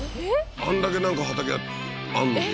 あんだけなんか畑あんのに？